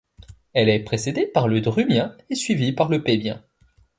Elle est précédée par le Drumien et suivie par le Paibien.